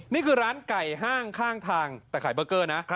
นี่คือร้านไก่ห้างข้างทางแต่ขายเบอร์เกอร์นะ